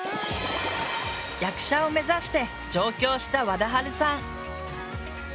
役者を目指して上京したわだはるさん。